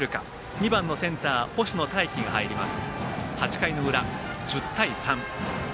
２番のセンター星野泰輝が入ります。